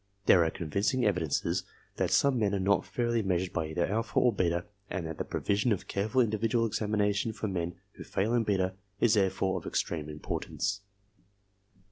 There are convincing evidences that some men are not fairly measured by either alpha or beta and that the provision of careful individual examination for men who fail in beta is therefore of extreme importance.